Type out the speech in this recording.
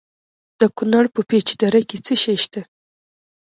د کونړ په پيچ دره کې څه شی شته؟